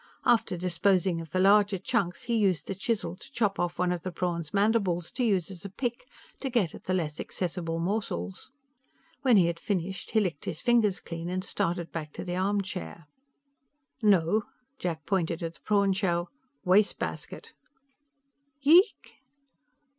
After disposing of the larger chunks, he used the chisel to chop off one of the prawn's mandibles to use as a pick to get at the less accessible morsels. When he had finished, he licked his fingers clean and started back to the armchair. "No." Jack pointed at the prawn shell. "Wastebasket." "Yeek?"